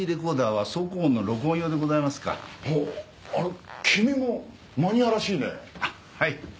はい。